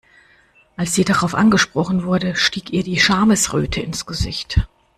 Als sie darauf angesprochen wurde, stieg ihr die Schamesröte ins Gesicht.